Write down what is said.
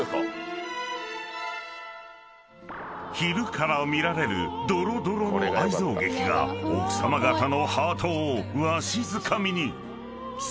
［昼から見られるドロドロの愛憎劇が奥さま方のハートをわしづかみに］